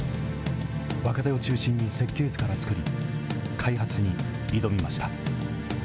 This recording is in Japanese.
若手を中心に設計図から作り、開発に挑みました。